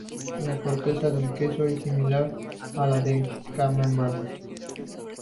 La corteza del queso es similar a la del camembert.